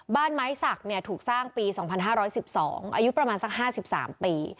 บ้านไม้สักเนี่ยถูกสร้างปีสองพันห้าร้อยสิบสองอายุประมาณสักห้าสิบสามปี